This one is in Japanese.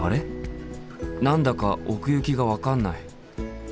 何だか奥行きが分かんない。